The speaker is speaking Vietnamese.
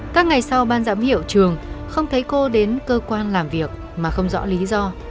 các ngày sau ban giám hiệu trường không thấy cô đến cơ quan làm việc mà không rõ lý do